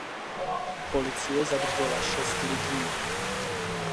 Policie zadržela šest lidí.